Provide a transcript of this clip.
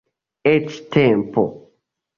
Eĉ tempo.